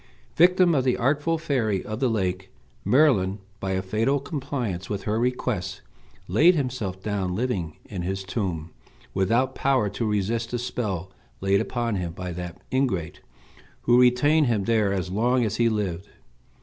Victim of the artful fairy of the lake, Merlin, by a fatal compliance with her request, laid himself down living in his tomb, without power to resist the spell laid upon him by that ingrate, who retained him there as long as he lived.